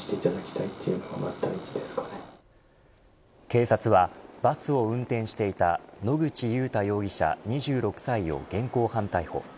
警察はバスを運転していた野口祐太容疑者、２６歳を現行犯逮捕。